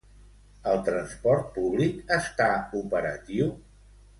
El transport públic està operatiu?